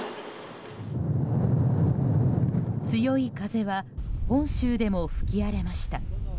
強い風は本州でも吹き荒れました。